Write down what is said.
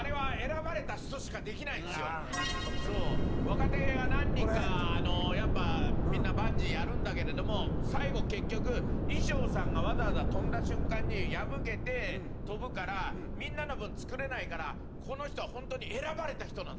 若手が何人かやっぱみんなバンジーやるんだけれども最後結局衣装さんがわざわざ飛んだ瞬間に破けて飛ぶからみんなの分作れないからこの人はホントに。